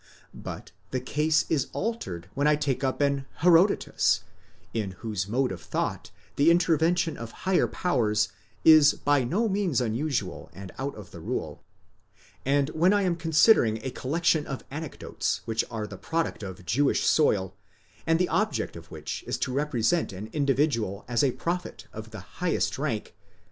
But the case is altered when I take up an Herodotus, in whose mode of thought the intervention of higher powers is by no means unusual and out of rule; and when I am considering a collection of anecdotes which are the product of Jewish soil, and the object of which is to represent an individual as a prophet of the highest rank